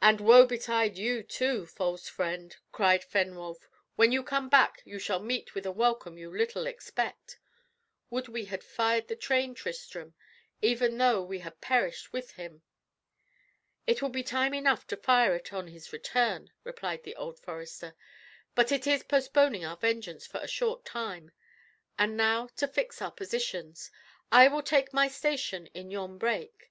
"And woe betide you too, false fiend!" cried Fenwolf. "When you come back you shall meet with a welcome you little expect. Would we had fired the train, Tristram, even though we had perished with him!" "It will be time enough to fire it on his return," replied the old forester; "it is but postponing our vengeance for a short time. And now to fix our positions. I will take my station in yon brake."